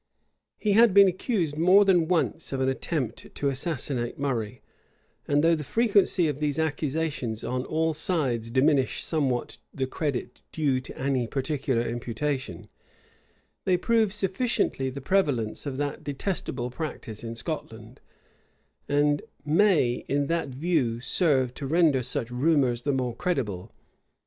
He had been accused more than once of an attempt to assassinate Murray; and though the frequency of these accusations on all sides diminish somewhat the credit due to any particular imputation, they prove sufficiently the prevalence of that detestable practice in Scotland, and may in that view serve to render such rumors the more credible.